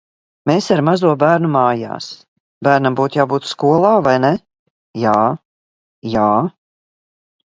Mēs ar mazo bērnu mājās. Bērnam būtu jābūt skolā, vai ne? Jā! Jā!